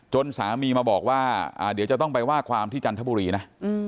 สามีมาบอกว่าเดี๋ยวจะต้องไปว่าความที่จันทบุรีนะ